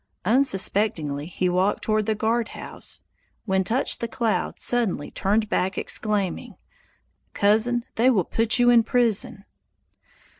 Unsuspectingly he walked toward the guardhouse, when Touch the Cloud suddenly turned back exclaiming: "Cousin, they will put you in prison!"